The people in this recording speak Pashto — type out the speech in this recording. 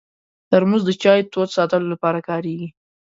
ترموز د چای تود ساتلو لپاره کارېږي.